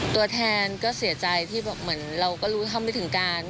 ตัวแทนก็เสียใจที่แบบเหมือนเราก็รู้ทำไม่ถึงการ